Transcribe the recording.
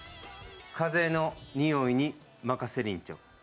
風のにおいに、任せりんちょ。